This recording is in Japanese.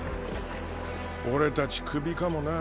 俺たちクビかもなぁ。